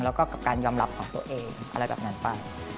แล้วก็กับการยอมรับของตัวเองอะไรแบบนั้นไป